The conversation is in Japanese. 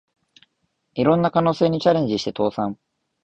いろんな可能性にチャレンジして倒産